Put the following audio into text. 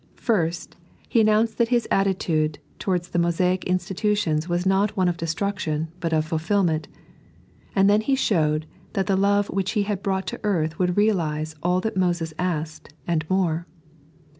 First, He an nounced that His attitude towards the Mosaic institutions was not one of destruction, but of fulfilment ; and then He Hhowed that the love which He had brought to earth would realize all that Mosee asked, and more.